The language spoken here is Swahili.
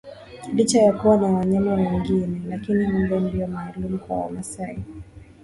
Licha ya kuwa na wanyama wengine lakini ngombe ndio maalum kwa wamasai